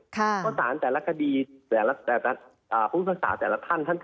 เพราะสารแต่ละคดีภูมิภาษาแต่ละท่าน